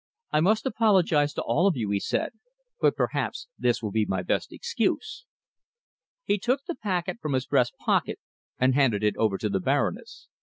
"I must apologize to all of you," he said, "but perhaps this will be my best excuse." He took the packet from his breast pocket and handed it over to the Baroness.